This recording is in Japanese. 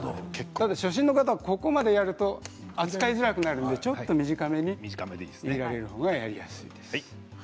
初心者の方は、ここまでやると扱いづらくなるのでちょっと短めに握るほうがやりやすいです。